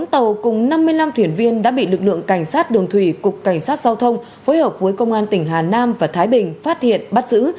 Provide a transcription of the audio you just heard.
tám tàu cùng năm mươi năm thuyền viên đã bị lực lượng cảnh sát đường thủy cục cảnh sát giao thông phối hợp với công an tỉnh hà nam và thái bình phát hiện bắt giữ